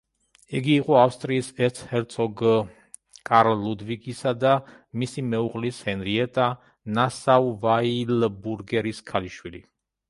იგი იყო ავსტრიის ერცჰერცოგ კარლ ლუდვიგისა და მისი მეუღლის, ჰენრიეტა ნასაუ-ვაილბურგელის ქალიშვილი.